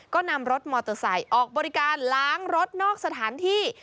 ก็นำรถมอเตอร์ไซค์ออกบริการล้างรถนอกสถานที่